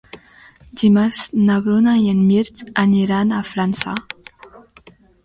Dimarts na Bruna i en Mirt aniran a Flaçà.